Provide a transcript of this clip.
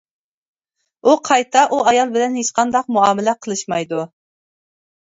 ئۇ قايتا ئۇ ئايال بىلەن ھېچقانداق مۇئامىلە قىلىشمايدۇ.